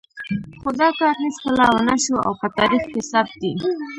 خو دا کار هېڅکله ونه شو او په تاریخ کې ثبت دی.